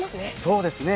そうですね。